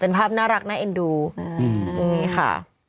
เป็นภาพน่ารักน่าเอ็นดูนี่ค่ะ